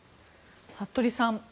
服部さん